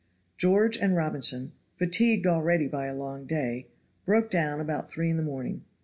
George and Robinson, fatigued already by a long day, broke down about three in the morning.